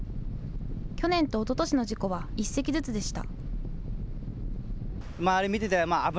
去年とおととしの事故は１隻ずつでした。